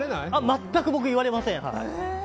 全く僕、言われません。